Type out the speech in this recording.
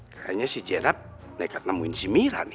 kayaknya si jenap dekat nemuin si mira nih